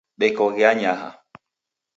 Dekoghe anyaha